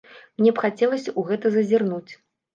Мне б хацелася ў гэта зазірнуць.